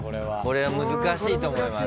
これは難しいと思います。